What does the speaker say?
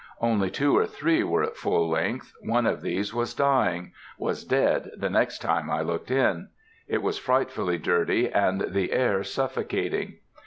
Only two or three were at full length; one of these was dying,—was dead the next time I looked in. It was frightfully dirty, and the air suffocating.